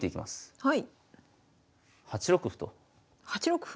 はい。